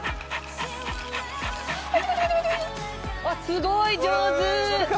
すごい上手！